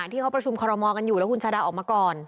ที่เขาประชุมคอรมอลกันอยู่แล้วคุณชาดาออกมาก่อน